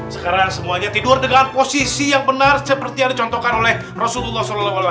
sekarang semuanya tidur dengan posisi yang benar seperti yang dicontohkan oleh rasulullah saw